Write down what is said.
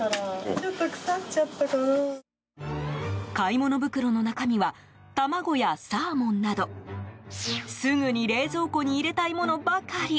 買い物袋の中身は卵や、サーモンなどすぐに冷蔵庫に入れたいものばかり。